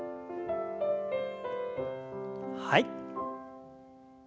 はい。